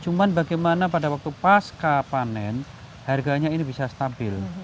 cuman bagaimana pada waktu pasca panen harganya ini bisa stabil